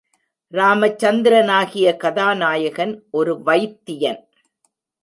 ராமச்சந்திரனாகிய கதாநாயகன் ஒரு வைத்தியன்.